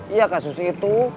iya kasus itu